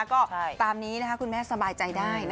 ก็ตามนี้นะคะคุณแม่สบายใจได้